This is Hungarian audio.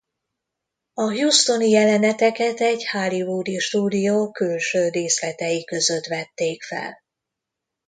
A houstoni jeleneteket egy hollywoodi stúdió külső díszletei között vették fel.